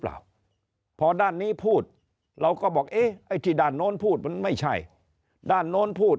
เปล่าพอด้านนี้พูดเราก็บอกเอ๊ะไอ้ที่ด้านโน้นพูดมันไม่ใช่ด้านโน้นพูด